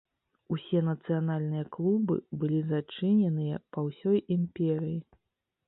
Усе нацыянальныя клубы былі зачыненыя па ўсёй імперыі.